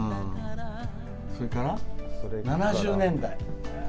それから７０年代。